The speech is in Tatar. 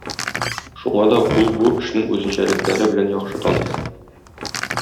Шуңа да ул бу эшнең үзенчәлекләре белән яхшы таныш.